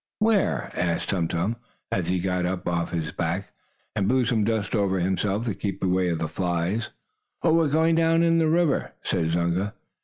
"Where?" asked Tum Tum, as he got up off his back, and blew some dust over himself to keep away the flies. "Oh, we're going down in the river," said Zunga.